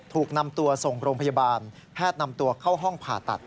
ถูกนำตัวส่งโรงพยาบาลแพทย์นำตัวเข้าห้องผ่าตัด